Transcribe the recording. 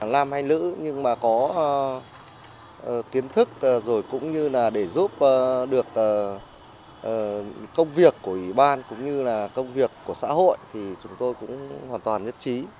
làm hay nữ nhưng mà có kiến thức rồi cũng như là để giúp được công việc của ủy ban cũng như là công việc của xã hội thì chúng tôi cũng hoàn toàn nhất trí